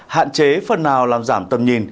hạn chế phần nào làm giảm tầm nhìn